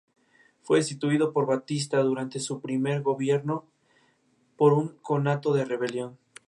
Fue destituido por Batista durante su primer gobierno por un conato de rebelión.